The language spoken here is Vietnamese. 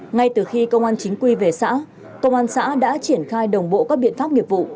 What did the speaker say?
ngay từ khi công an chính quy về xã công an xã đã triển khai đồng bộ các biện pháp nghiệp vụ